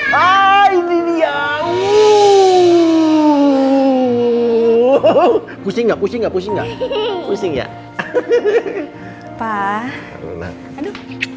hai ini dia uh kusing kusing kusing ya kusing ya hahaha pak mama ini